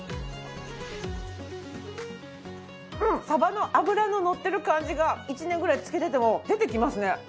サバの脂の乗ってる感じが１年ぐらい漬けてても出てきますね。